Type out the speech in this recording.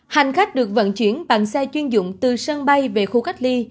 hành khách được vận chuyển bằng xe chuyên dụng từ sân bay về khu cách ly